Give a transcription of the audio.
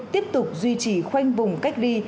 tiếp tục duy trì khoanh vùng cách ly